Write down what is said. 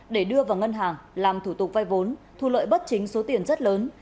để đưa vào ngân hàng làm thủ tục vay vốn thu lợi bất chính số tiền rất lớn